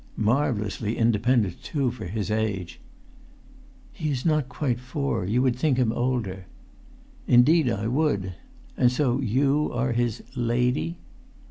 "Marvellously independent, too, for his age." "He is not quite four. You would think him older." "Indeed I would ... And so you are his 'lady'!"